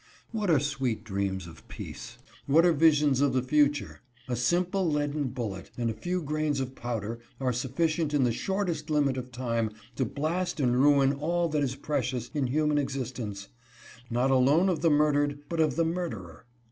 What are sweet dreams of peace; what are visions of the future ? A simple leaden bullet and a few grains of powder are sufficient in the shortest limit of time to blast and ruin all that is precious in human existence, not alone of the murdered, but of the mur derer.